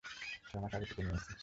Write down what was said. ছমাস আগে টিকে নিয়েছি।